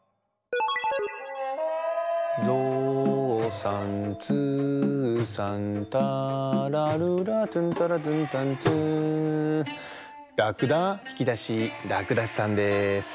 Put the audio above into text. ぞうさんずうさんターラルラトゥンタラトゥンタントゥーらくだひきだしらくだしさんです。